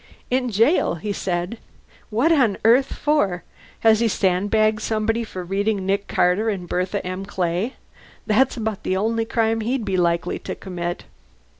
"In jail!" he said. "What on earth for? Has he sandbagged somebody for reading Nick Carter and Bertha M. Clay? That's about the only crime he'd be likely to commit."